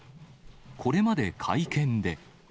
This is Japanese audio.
これまで会見で。